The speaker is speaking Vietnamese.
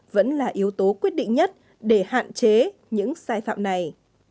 vẫn là yếu tố quyết định nhất để hạn chế những sai phạm này